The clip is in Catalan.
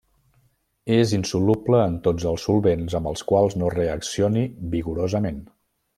És insoluble en tots els solvents amb els quals no reaccioni vigorosament.